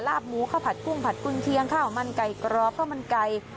หมูข้าวผัดกุ้งผัดกุญเคียงข้าวมันไก่กรอบข้าวมันไก่